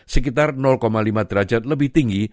sekitar lima derajat lebih tinggi